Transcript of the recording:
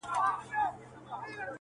آسمانه ما خو داسي نه غوښتله-